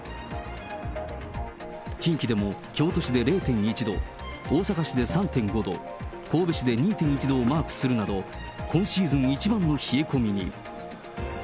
近畿でも京都市で０．１度、大阪市で３．５度、神戸市で２．１度をマークするなど、今シーズン一番の冷え込みに。